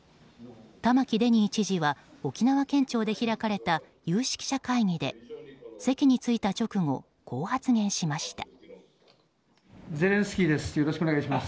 玉城デニー知事は沖縄県庁で開かれた有識者会議で席に着いた直後こう発言しました。